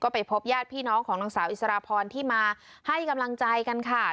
ไปพบญาติพี่น้องของนางสาวอิสรพรที่มาให้กำลังใจกันค่ะ